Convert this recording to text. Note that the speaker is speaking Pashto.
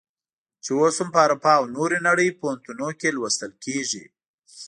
چې اوس هم په اروپا او نورې نړۍ پوهنتونونو کې لوستل کیږي.